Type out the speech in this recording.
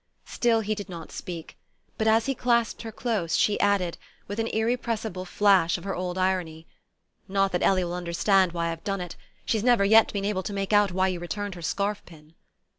Still he did not speak; but as he clasped her close she added, with an irrepressible flash of her old irony: "Not that Ellie will understand why I've done it. She's never yet been able to make out why you returned her scarf pin."